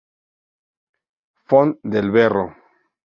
Font del Berro.